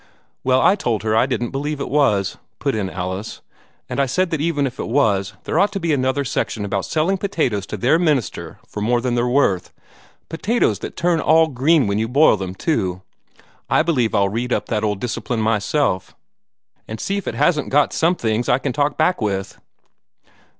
"Well, I told her I didn't believe it was," put in Alice, "and I said that even if it was, there ought to be another section about selling potatoes to their minister for more than they're worth potatoes that turn all green when you boil them, too. I believe I'll read up that old Discipline myself, and see if it hasn't got some things that I can talk back with."